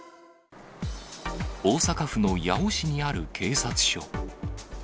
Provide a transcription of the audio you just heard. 大阪府の八尾市にある警察署。